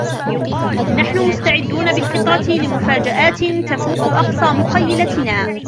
نحن مستعدون بالفطرة لمفاجآت تفوق أقصى مخيلتنا.